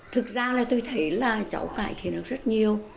thực ra là tôi thấy là cháu cải thiện được rất nhiều